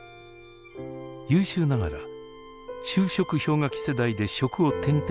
優秀ながら就職氷河期世代で職を転々とする女性。